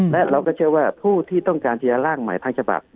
และเราก็เชื่อว่าผู้ที่ต้องการที่จะล่างใหม่ทั้งฉบับ